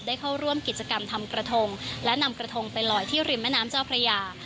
เข้าร่วมกิจกรรมทำกระทงและนำกระทงไปลอยที่ริมแม่น้ำเจ้าพระยา